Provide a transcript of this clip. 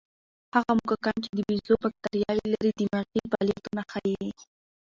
هغه موږکان چې د بیزو بکتریاوې لري، دماغي فعالیتونه ښيي.